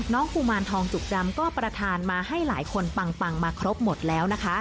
กุมารทองจุกจำก็ประธานมาให้หลายคนปังมาครบหมดแล้วนะคะ